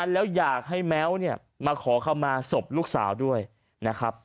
แล้วอยากให้แม้วเนี่ยมาขอคำมาศพลูกสาวด้วยนะครับ